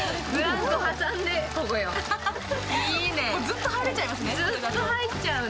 ずっと入れちゃいますね。